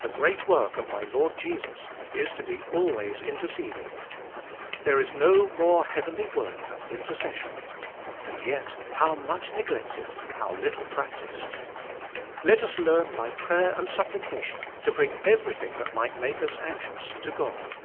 The great work of my Lord Jesus is to be always interceding. There is no more heavenly work than intercession. And yet, how much neglected, how little practiced. Let us learn by prayer and supplication to bring everything that might make us anxious to God.